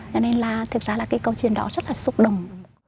cho nên là thực ra là cái câu chuyện đó rất là xúc động